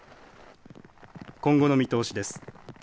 今後の見通しです。